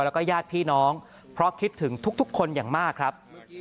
แล้วก็ญาติพี่น้องเพราะคิดถึงทุกคนอย่างมากครับ